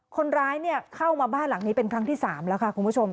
คนร้ายเข้ามาบ้านหลังนี้เป็นครั้งที่๓แล้วค่ะคุณผู้ชม